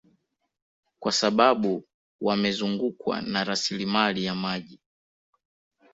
Kwa sababu wamezungukwa na rasilimali ya maji